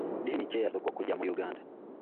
Ddiini ki eyasooka okujja mu Uganda?